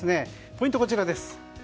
ポイントはこちら。